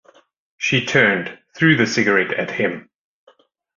She turned, threw the cigarette at him.